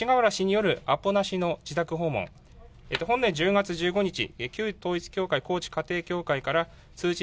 勅使河原氏によるアポなしの自宅訪問、本年１０月１５日、旧統一教会高知家庭教会から通知